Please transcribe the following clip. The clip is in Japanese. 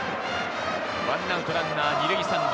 １アウトランナー２塁３塁。